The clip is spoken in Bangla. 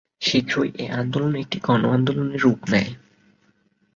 শীঘ্রই এ আন্দোলন একটি গণআন্দোলনের রূপ নেয়।